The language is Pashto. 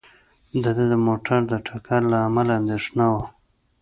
د ده د موټر د ټکر له امله اندېښنه وه.